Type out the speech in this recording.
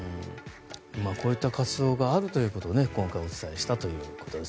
こういった活動があるということで今回お伝えしたということです。